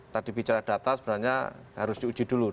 tadi bicara data sebenarnya harus diuji dulu